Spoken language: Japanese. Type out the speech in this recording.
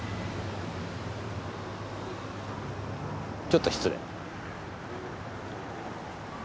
ちょっと失礼。